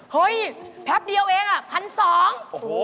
เฮ่ยแพลปเดียวเองพันสอง